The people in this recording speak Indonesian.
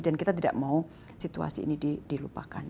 dan kita tidak mau situasi ini dilupakan